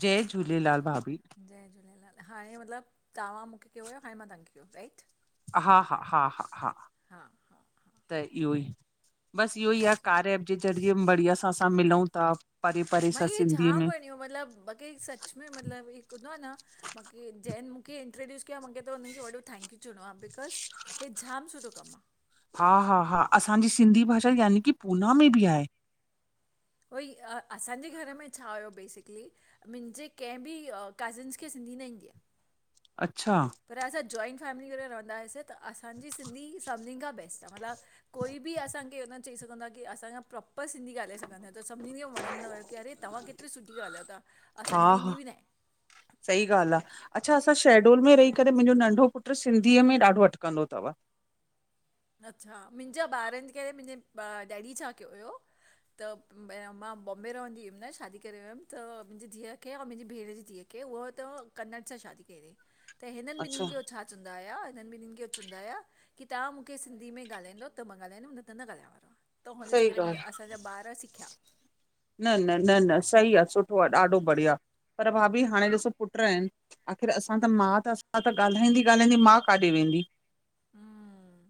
जय झूलेलाल! भाभी। जय झूलेलाल! हाणे मतिलब तव्हां मूंखे कयो हुयो हाणे मां तव्हांखे कयो राइट। हा, हा, हा, हा, हा, हा, हा, हा, त इयो ई, बस इयो ई आ अच्छा कार्य एप जे ज़रिए बढ़िया सां असां मिलऊं ता। मई हे झाम वणियूं मतिलबु बक़े सच में मतिलबु हिकु हूंदो आ न। मुखे जंहिं मूंखे इंट्रोड्यूस कयो मखे त हुननि खे वॾो थैंक्यू चवणों आ बिकॉस हे झाम सुठो कमु आ। हा हा हा, असांजी सिंधी भाषा यानी की पूना में बि आहे। ऊओई, अ असांजे घर में छा हुयो बेसिकली मुंहिंजे कंहिं बि अ कज़िन्स खे सिंधी न ईंदी आ। अच्छा। पर असां जॉइंट फैमिली करे रहंदा हुआसीं त असांजी सिंधी ही सभिनीनि खां बेस्ट आ। मतिलबु कोई बि असांखे इहो न चई सघंदो आ कि असां जा प्रोपर सिंधी ॻाल्हाए सधूं ॻाल्हायो ता, सभिनिन खे वणंदो हुयो, कि अरे! तव्हां केतिरी सुठी ॻाल्हायो था। हा असांखे त हा ईंदी बि नाए। सही ॻाल्हि आ। अच्छा, असां शेडोल में रही करे मुंहिंजो नंढो पुटु सिंधीअ में ॾाढो अटिकंदो तव। अच्छा, मुंहिंजा ॿारनि खे मुंहिंजे डैडी छा कयो हुयो त मां बॉम्बे रहंदी हमि न, शादी करे वियमि त, मुंहिंजी धीअ खे और मुंहिंजी भेण जी धीअ खे के ऊअ त कन्नड़ सां शादी कई तईं। त हिननि ॿिननि अच्छा खे हो छा चवंदा हुया। हिननि ॿिननि खे हो चवंदा हुया की तां मूं मुखे सिंधी में ॻाल्हाईंदो त मां ॻाल्हाईंदमि न त न ॻाल्हाइण वारो आं, त हुनजे सही करे ॻाल्हि मुंहिंजा आहे। असांजा ॿार सिखिया। न न न न सही आ, सुठो आ, ॾाढो बढ़िया पर भाभी हाणे ॾिसो पुट इनि आख़िर असां त माउ थियासि असां त ॻाल्हाईंदी ॻाल्हाईंदी मांउ काॾे वेंदी। हम्म।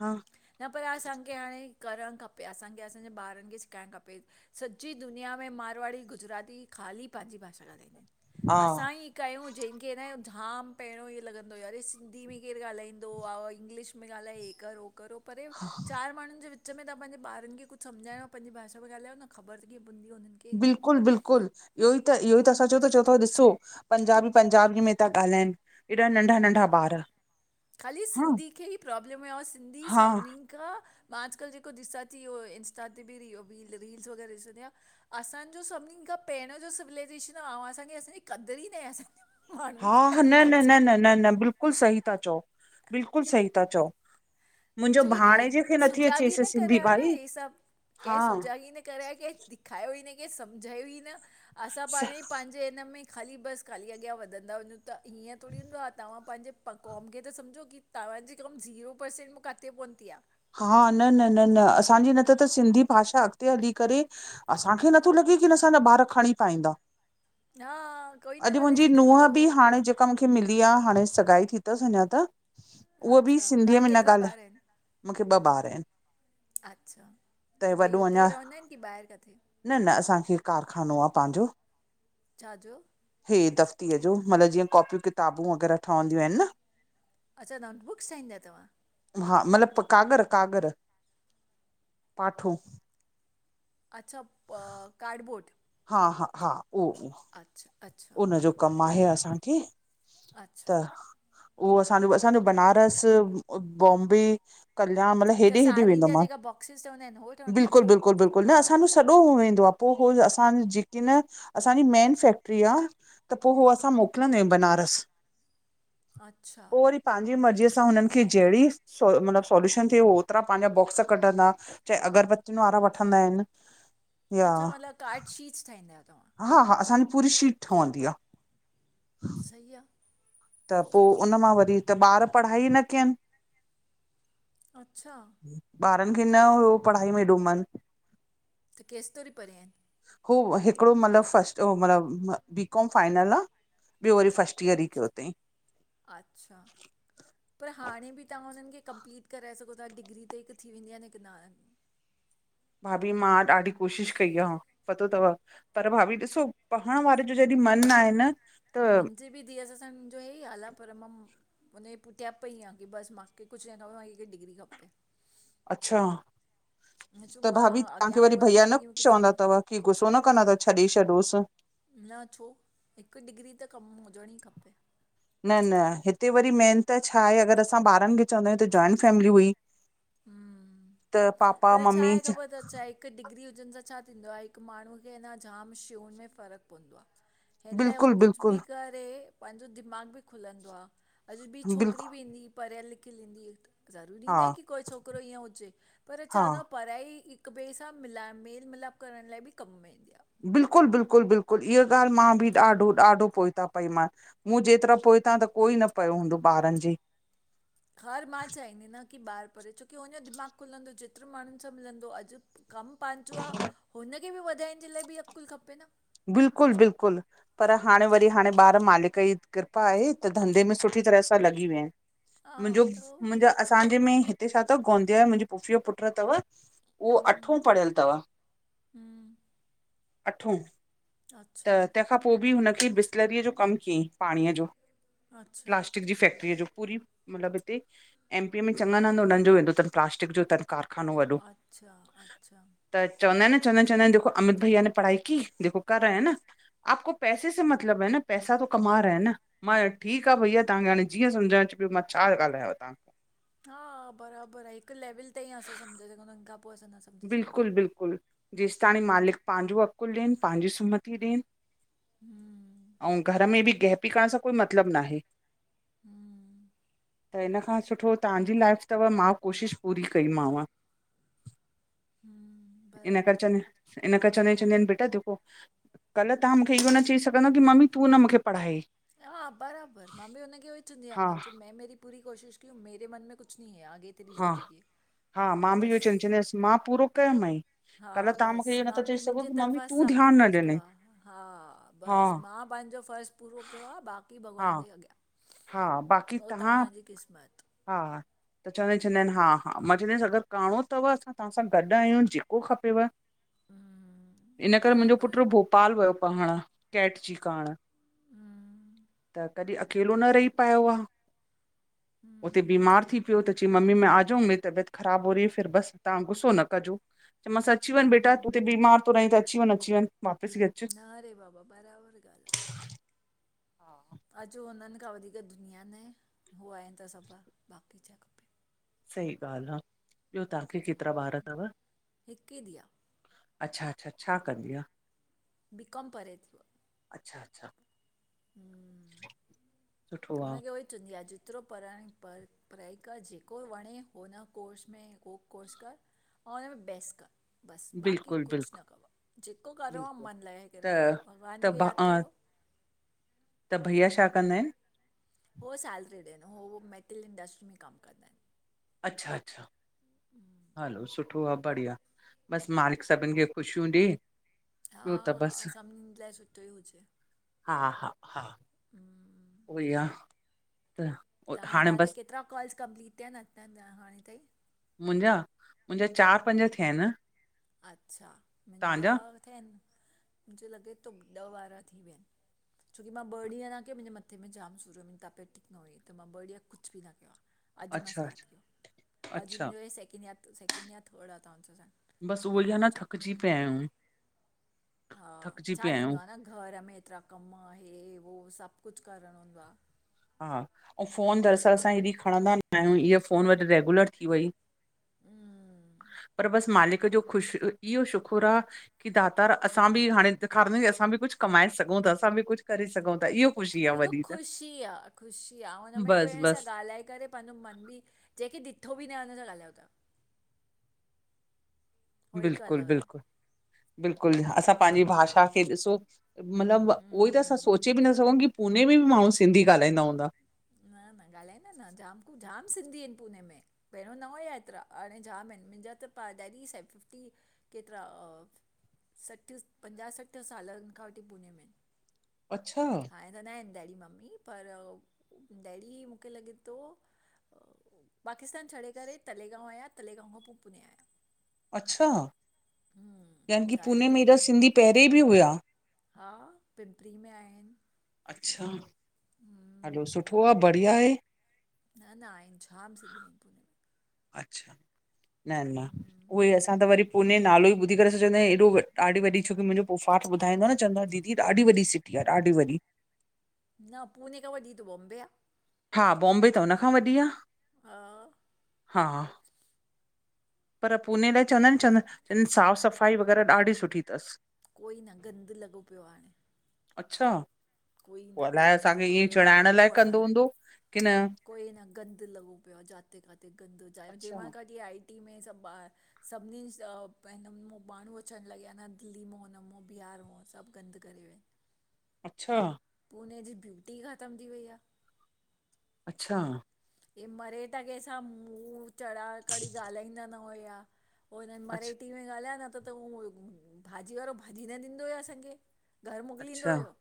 हा। न पर असांखे हाणे करणु खपे, असांखे असांजे ॿारनि खे सेखारणु खपे। सची दुनिया में मारवाड़ी, गुजराती ख़ाली पांजी भाषा ॻाल्हाईंदा इनि, हा असां ई कयूं। जंहिंखे न झाम पहिरियों ईएं लॻंदो हुयो अरे! सिंधी में केरु ॻाल्हाईंदो आ। इंग्लिश में ॻाल्हाए हे कर हो करो परे चार माण्हुनि जे विच विच में तां पंहिंजे ॿारनि खे कुछु सम्झायो पंहिंजी भाषा में ॻाल्हायो न, ख़बर कीअं पंदी हुननि खे [unintelligible] बिल्कुलु बिल्कुल, इहो ई त, इहो ई त असां चऊं ता चओ था ॾिसो पंजाबी पंजाबीअ में था ॻाल्हाइनि। हेॾा नंढा-नंढा ॿार। खाली हा सिंधी खे ई प्रॉब्लम आ, सिंधी हा सिनी [unintelligible] का, मां अॼुकल जेको ॾिसां थी उहो इंस्टा ते बी ओ रीलस वग़ैरह ॾिसंदी आं। असांजो सभिनिनि खां पहिरियों जो सिविलाइजेेशन आ अऊं असांखे असांजी क़दुरु ई नहे असां हा हा, न न न न न न बिल्कुलु सही ता चओ, बिल्कुलु सही था चओ। मुंहिंजो छोकी कहिं, भाणेजे खे नथी सुजाॻ ई अचेसि न सिंधी करायो न भाई हे सभु। हा कहिं सुजागी न करिया कें खायो ई न की सम्झायो ई न असां स- पाण ई पंहिंजे इ में ख़ाली बसि ख़ाली अॻियां वधंदा वञूं, त हीअं थोरी हूंदो आ, तव्हां पंहिंजे प क़ौम खे त सम्झो की तव्हांजे क़ौम ज़ीरो परर्सेंट मों काथे पहुती आ। हा, न न न न असांजी न त त सिंधी भाषा अॻिते हली करे असांखे नथो लॻे कि असांजा ॿार खणी पाईंदा। हा कोई न अॼु ॻाल्हाए मुंहिंजी नुहं सघंदो बि हाणे जेको क मुखे मिली आ, हाणे सगाई थी तसि अञां त, उहा बि अच्छा तव्हांखे सिंधीअ में न केतिरा ॻाल्हाए। ॿार आहिनि मुखे ॿ ॿार इनि, अच्छा त ॿई वॾो हुते ई अञां। रहंदा आहिनि की ॿाहिरि किथे न न असांखे कारखानो आ पंहिंजो। छा जो? हे दफ़्तीअ जो, मतिलबु जीअं कॉपियूं किताबूं वग़ैरह ठहंदियूं आहिनि न। अच्छा नागपुर [unintelligible] तवां? हा मतिलब कागर -कागर पाठो अच्छा कार्डबोर्ड? हा- हा- हा‌‌ उह -उह अच्छा -अच्छा उनजो कमु आहे असांखे अच्छा त उहो असांजो -असांजो बनारस, बॉम्बे कल्याण मतलब हेॾे त -हेॾे साड़ियुनि वेंदोआ जा माल जेका बॉक्सिस ठहंदा आहिनि उहे ठहंदा आहिनि बिल्कुलु तव्हां -बिल्कुलु- बिल्कुलु न असांजो सॼो वदो आहे असां जेक न असां जी मेन टीया त पोइ उ असां मोकिलींदायूं बनारस। अच्छा। पंहिंजी मर्ज़ीअ सां हुननि खे जहिड़ी सो मतलबु सोल्यूशन थिए ओतिरा पंहिंजा बॉक्स कढंदा। चाहे अगरबतुनि वारा वठंदा आहिन। अच्छा मतलब कार्ड शीट ठाही दायों तव्हां? हा- हा असांजी पूरी शीट ठहंदी आ। सहीं आ। त पोइ उन मां वरी त ॿार पढ़ाई न कयनि। अच्छा। ॿारनि खे न हुओ पढ़ाई में हेॾो मन। त केस तरी पढियां आहिन? उ हिकिड़ो मतिलबु फस्ट मतलबु बीकॉम फाइनल आ। ॿियो वरी फस्ट ईयर ई कयो तई। अच्छा पर हाणे बि तव्हां हुननि खे कंप्लीट कराए सघो त डिग्री त हिकु थी वेंदी आ न हिकु न भाभी मां ॾाढी कोशिशि कई आ पतो अथव पर भाभी ॾिसो पढ़ण वारे जो जॾहिं मन आहे न। त मुंहिंजी बि धीअ सां सां मुंहिंजो हे ई हाल आ पर मां हुनजी पुठिय पई आहेां की बसि मूंखे कुझु न खप मूंखे डिग्री खपे। अच्छा। हुन चयो त मां भाभी तव्हांखे अॻियां वरी हुअं भैया न ज़िंदगी में प कुझु चवंदा आहे अथव की गुस्सो न कंदा अथव छॾे छॾोस। न छो हिकु डिग्री त कम हुजण ई खपे न न- न हिते वरी मेन त छा आहे अगर असां ॿारनि खे चवंदा आहियूं त जॉइंट फैमिली हुई। त हम्म पापा पर छा मम्मी आहे ख़बर अथ छाहे। हिक डिग्री हुजण सां छा थींदो आहे हिकु माण्हूअ खे अञा जाम शयनि में फ़र्क़ु पवंदो आ। हिन लाइ उहो बिल्कुलु कुझु बि बिल्कुलु करे पंहिंजो दिमाग़ु बि खुलंदो आ अॼु ॿी छोकिरी बिल्कुलु बि ईंदी पढ़ियल लिखियलु ईंदी हुई ज़रूरी हा न आहे की कोई छोकिरो ईअं हुजे पर हा छा न पढ़ाई हिक ॿिए सां मिला मेल मिलाप करण लाइ बि कमु में ईंदी आ। बिल्कुलु- बिल्कुलु- बिल्कुलु इीअ ॻाल्हि मां बि ॾाढो -ॾाढो पोए ता पई मां आस। मूं जेतिरा पोइ हितां त कोई न पियो हूंदो ॿारनि जे। हर मां चाहींदी नां की ॿारु पढ़े छोकी हुनजो दिमाग़ुलंदो जेतिरो माण्हुनि सां मिलंदो अॼु। कमु पंहिंजो आ हुनखे बि वधाइण जे लाइ बि अकुल खपे न। बिल्कुलु- बिल्कुलु। पर हाणे वरी हाणे ॿार मालिक जी कृपा आहे त धंधे में सुठी तरह सां लॻी विया आहिन। मुंहिंजो हाँ तो मुंहिंजो ठीक है असांजे में। हिते छा अथव गोंदिया जो मुंहिंजी पुफीअ जो पुटु अथव उहो अठो हम्म पढ़ियल अथव। हम्म अठो। अच्छा त तेखां पो बि हुनखे बिसलरीअ जो कम कयईं पाणीअ जो। अच्छा प्लास्टिक जी फैक्ट्रीअ आहे जो पूरी मतलब हिते एमपीअ में चङन हंध उनन जोे वेंदो तन, प्लासिक जो तन। कारखानो वॾो। अच्छा अच्छा त चवंदा आहिन न, चवंदा आहिन चवंदा आहिन, अमित भईयाे पढ़ाई की देखो कर रहे है न। आपको पैसे स मतलब है न, पैसा तो कमा रहे है न। मां ठीक आह भईया, तव्हांखे हाणे जीअं सम्झण अचे पियो मां छा ॻाल्हायां तव्हां हा, बराबर आ हिक लेविल ताईं असां सम्झाए सघंदा आयूं हुनखां पो असां न सम्झी सघंदा आहिन। बिल्कुल, जेस तांणी मालिक पांजो अकुल ॾेन पांजी सुमती ॾेन। हम्म अऊं घर में बि गहपी करण सां कोई मतलब नाहे। हम्म। त हिन खां सुठो तहांजी लाइफ तव, मां कोशिश पूरी कईमांव। हम। इन करे चवंदी आइन इन करे चेंदी आइन चेंदी आइन बेटा देखो कल तहां मूंखे इयो न चई सघंदव कि मम्मी तूं न मूंखे पढ़ायई। हा बराबर, मां बि हुनखे उओ ई चंदी आयां हा मां चयो मैं मेरी पूरी कोशिश की मेरे मन में कुछ नहीं है आगे तेरी हा, ज़िंदगी है हा, मां बि इहो ई चईंदीआस बसि चईंदीआस मां पूरो कयोमांए। हा, बस मां बि मुंजी तरफ़ां तूं सभ ध्यानु न कुछ कयो ॾिनई आ, हा, हा बस मां पांजो फर्ज़ पूरो कयो आ, बाक़ी हा भॻवान जे अॻियां हा, बाक़ी उहो तहां तव्हांजी क़िस्मत हा त चवंदा चवंदा आहिन हा, हा, मां चवंदीआंस अगर करणो तव त असां तहां सां गॾ आयूं जेको खपेव हम्म, इन करे मुंजो बराबरि आहे पुट्र भोप पाल वियो पढ़ण कैट जी करण हम्म, त कॾी अके अकेलो न रही पायो आ, उते हम्म, बीमार थी पियो त चई, मम्मी में आ जाऊं, मेरी तबियत ख़राब हो रही है, फिर बस तां गुसो न कजो। चयोमांस अची वञ बेटा, तू हम्म। हुते बीमार तो रहीं त अची वञ, अची वञ, वापिस बि अची न रे बाबा बराबर ॻाल आ। हा अॼ हुनन खां वधीक दुनिया नाए हो आहे त सभ आ बाक़ी छा खप सही ॻाल आ, ॿियो तव्हांखे केतरा ॿार तव? हिकु ई धीउ आहे अच्छा, अच्छा छा कंदी आ? बीकॉम परे ती उअ। अच्छा, अच्छा। हम्म, सुठो आहे हुनखे उहो ई चवंदी आ, जेतरो पढ़ाइण पढ़। पढ़ाई कर, जेको वणे हुन कोर्स में उहो कोर्स कर ऐं हुन में बेस कर। बस, बाक़ी बिल्कुलु कुछ बिल्कुलु न कव, जेको करणो आ बिल्कुलु मनु लॻाए त करो भॻवान त जी खे याद भा करो। त भईया छा कंदा आहिन? हो सैलरी ते आइन, हो मेटल इंडस्ट्री में कम कंदा आहिन। अच्छा, अच्छा, हलो सुठो आ बढ़िया। बस मालिक सबिन खे ख़ुशियूं ॾे। हा, ॿियो त हा बसि सबनिन जे लाइ सुठो ई हुजे। हा, हा, हा, हम्म उओ ई आ। त हाणे तहांजा केतरा कॉल्स कंपलीट थिया आहिन अज तांई हाणे ताईं? मुंजा, मुंजा चार पंज थिया आहिन। अच्छा, मुंहिंजा थिया आहिनि। मुंझे लॻे थो ॾह वारा थी विया आहिनि। छोकी मा ॿ ॾींहुं न कयो, मुंहिंजे मथे में जाम सूर हुयो। मुहिंजी तॿियति ठिक न हुई। त मां ॿ ॾींहुं कुझु बि न कयो आ। अॼु मां अच्छा अच्छा स्टार्ट कयो। अॼु अच्छा मुंहिंजो हे सेकेंड या सेकेंंड या थर्ड आ तव्हा सां ई बसि उहो ईअं ई आ न कुझु आहे थकिजी पिया आहियूं। हा, थकिजी छा पिया आहियूं थींदो आहे न घर में एतिरा कमु हे, हो उ सभु कुझु करणो हूंदो आहे। हा, अउं फोन दरअसल असां हेॾी खणंदा न आहियूं। इहा फ़ोन वरी रेगुलर थी वई। हम्म पर बसि मालिक जो ख़ुश इहो शुकुर आ की दातार असां बि हाणे ॾेखारींदास की असां बि कुझु कमाए सघूं था। असां बि कुझु करे सघउं था। इहो ख़ुशी आ वॾी हिकु त ख़ुशी आ, ख़ुशी आ हुन में बस केंह सां बस ॻाल्हाए करे पंहिंजो मन बि जंहिंखे ॾिठो बि न आहे हुन सां ॻाल्हायो था। उहो हिकु बिल्कुलु, अलॻि आहे बिल्कुलु, बिल्कुलु असां पंहिंजी भाषा खे ॾिसो मतिलबु उहोई त असां हम्म सोचे बि न सघूं की पुने में बि माण्हू सिंधी ॻाल्हाईंदा हूंदा। न, न ॻाल्हाईंदा आहिन न जामु जामु सिंधी आहिनि पूने में। पहिरियों न हुया एतिरा हाणे जामु आहिनि। मुंहिंजा त पाण डैडी से फिफ्टी केतिरा सठि पंजाह सठि सालनि खां वठी पुणे में आहिनि। अच्छा। रहंदा आहिनि डैडी मम्मी, पर डैडी मूंखे लॻे थो पाकिस्तान छॾे करे तलेगांव आहियांव तलेगांव खां पोइ पुने आहियां। अच्छा, यानी की तव्हांजे पुने में एॾा केतिरा सिंधी पहिरियोें बि हुआ। हा, पिंपरी में आहिनि। अच्छा, हलो हम्म सुठो आहे बढ़िया आहे। न न आहिनि, जाम सिंधी आहिनि पुने में अच्छा, न न, हम्म उहोई असां त वरी पूने नालो ई ॿुधी करे असां चवंदा आहियूं, एॾो ॾाढी वॾी छो कि मुंहिंजो पोफाट ॿुधाईंदो आ न चवंदो आ दीदी ॾाढी वॾी सिटी आहे ॾाढी वॾी न पुने खां वॾी त बॉम्बे आ। हा, बॉम्बे त हुनखां वॾी आह। हा। हा। पर पुने लाइ चवंदा आहिनि, चवंदानि साफ़ सफ़ाई वग़ैरह ॾाढी सुठी अथसि। कोई न, गंद लॻो पियो आहे हाणे। अच्छा। कोई पो न अलाए पहिरियों असांखे जेको ईअं हुयो, हुयो चिड़ाइण लाइ पोअं कंदो हूंदो की न कोई न गंद लॻो पियो आहे, जाथे किथे गंद जिएं अच्छा मां कॾहिं आई टि में सभु ॿार सभिनी मा [unintelligible] माण्हू अचणु लॻीया न दिल्ली मां हुन मो बिहार मां सभु गंद करे विया। अच्छा। पूने जी ब्यूटी ख़तम थी वई आह। अच्छा। ही मरेठा केहसां मुहुं चड़ा कॾंही ॻाल्हाईंदा न हुयआ। पोइ हिननि अच्छा मरेठी में ॻाल्हाए न त त हू भाॼी वारो भाॼी न ॾींदो आहे असांखे। घरु मोकिलींदो अच्छा हुयो।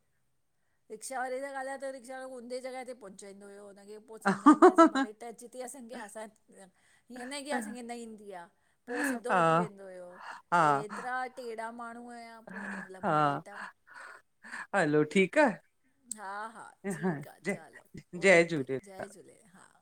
रिक्शा वारे सां ॻाल्हाए त रिक्शा वारो उंधे जॻहि ते पहुंचाइंदो हुयो। हुनखे पोइ सम्झाईंदा हुआसीं मरे त जीथे असांखे असां हीअं न कि असांखे न ईंदी आ पोइ सिधो वठी हा वेंदो हुओ हे हा एतिरा टेड़ा माण्हू आहियां हा हलो ठीकु आ हा हा ठीकु आ जय चलो जय ओके झूले जय झूलेलाल हा - -